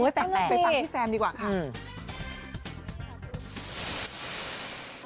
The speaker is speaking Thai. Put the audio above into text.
อุ๊ย๘แปดค่ะไปฟังพี่แซมดีกว่าค่ะอืม